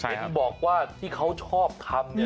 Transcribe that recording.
หาใดกับบอกว่าที่เขาชอบทำ